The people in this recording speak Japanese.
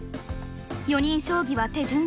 ４人将棋は手順が特殊。